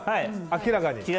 明らかに。